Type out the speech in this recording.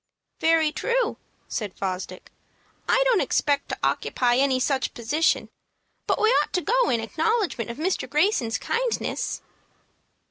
"Very true," said Fosdick; "I don't expect to occupy any such position; but we ought to go in acknowledgment of Mr. Greyson's kindness."